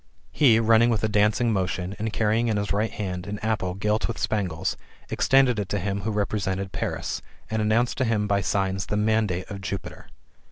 He, running with a dancing motion, and carrying in his right hand an apple gilt with spangles, extended it to him who represented Paris, and announced to him by signs the mandate of Jupiter.